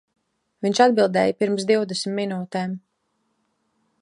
Viņš atbildēja pirms divdesmit minūtēm.